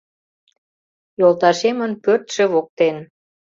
Йолташемын пӧртшӧ воктен